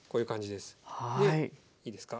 でいいですか。